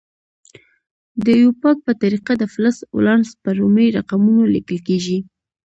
د ایوپاک په طریقه د فلز ولانس په رومي رقمونو لیکل کیږي.